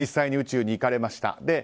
実際に宇宙に行かれました。